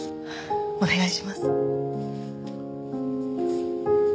お願いします。